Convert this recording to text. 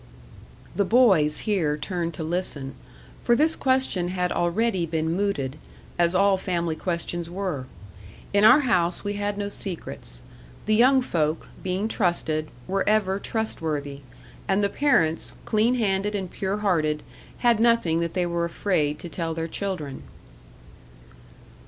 The boys here turned to listen; for this question had already been mooted, as all family questions were. In our house we had no secrets: the young folk, being trusted, were ever trustworthy; and the parents, clean handed and pure hearted, had nothing that they were afraid to tell their children.